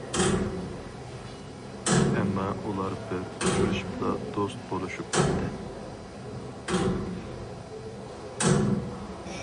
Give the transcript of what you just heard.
ئەمما ئۇلار بىر ئۇچرىشىپلا دوست بولۇشۇپ كەتتى.